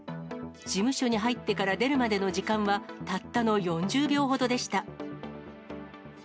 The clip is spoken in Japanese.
事務所に入ってから出るまでの時間は、たったの４０秒ほどでした。